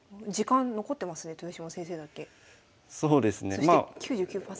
そして９９％。